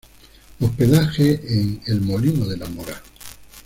Hospedaje en El Molino de la Mora.